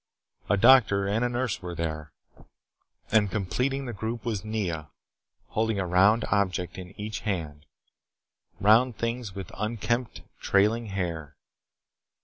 A doctor and a nurse were there. And completing the group was Nea holding a round object in each hand round things with unkempt, trailing hair.